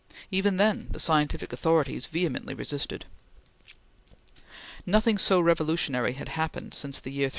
Even then the scientific authorities vehemently resisted. Nothing so revolutionary had happened since the year 300.